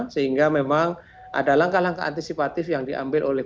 sehingga memang ada langkah langkah antisipatif yang diambil oleh